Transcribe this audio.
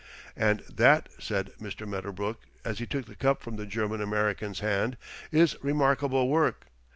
"And that," said Mr. Medderbrook as he took the cup from the German American's hand, "is remarkable work.